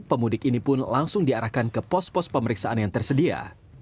pemudik ini pun langsung diarahkan ke pos pos pemeriksaan yang tersedia